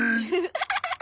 アハハハハ！